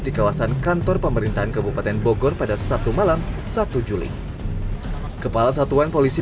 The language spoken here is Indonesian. di kawasan kantor pemerintahan kabupaten bogor pada sabtu malam satu juli kepala satuan polisi